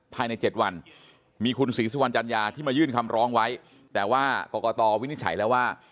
ภายใน๗วันมีคุณศรีสุวรรณจัญญาที่มายื่นคำร้องไว้แต่ว่ากรกตวินิจฉัยแล้วว่า